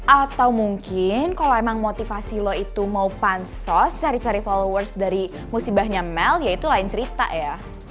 atau mungkin kalau emang motivasi lo itu mau pansos cari cari followers dari musibahnya mel ya itu lain cerita ya